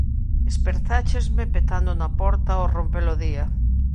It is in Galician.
Espertáchesme, petando na porta ao romper o día.